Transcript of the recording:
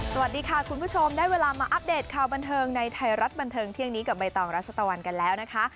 สวัสดีค่ะคุณผู้ชมได้เวลามาอัปเดตข่าวบันเทิงในไทยรัฐบันเทิงเที่ยงนี้กับใบตองรัชตะวันกันแล้วนะคะ